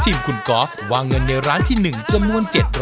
ทีมคุณกอล์ฟวางเงินในร้านที่๑จำนวน๗๐๐